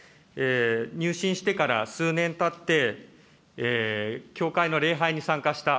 入信してから数年たって、教会の礼拝に参加した。